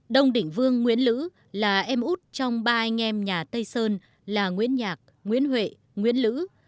đông đỉnh vương nguyễn lữ là em út trong ba anh em nhà tây sơn là nguyễn nhạc nguyễn huệ nguyễn lữ